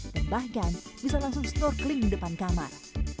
dan bahkan bisa langsung snorkeling di depan kamar